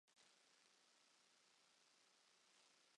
我自己整㗎